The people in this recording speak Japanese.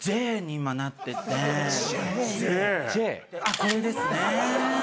これですね。